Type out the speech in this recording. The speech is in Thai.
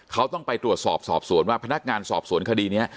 เขาต้องไปตรวจสอบสอบสวนว่าพนักงานสอบสวนคดีนี้